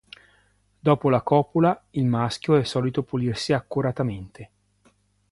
Dopo la copula, il maschio è solito pulirsi accuratamente.